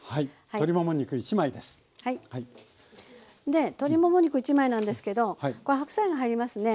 で鶏もも肉１枚なんですけどこれ白菜が入りますね。